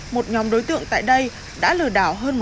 một nhóm đối tượng tại đây đã lựa chọn các loại lan quý hiếm